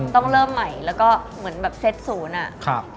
ต้องเริ่มใหม่แล้วก็เหมือนแบบเซ็ตศูนย์อะ